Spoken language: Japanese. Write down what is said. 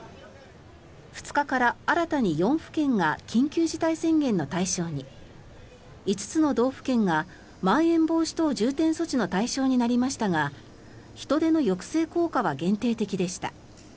２日から、新たに４府県が緊急事態宣言の対象に５つの道府県がまん延防止等重点措置の対象になりましたが人出の抑制効果は限定的でした。